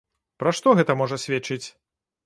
Пра што гэта можа сведчыць?